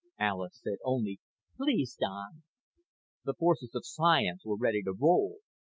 Alis said only, "Please, Don ..." The forces of science were ready to roll.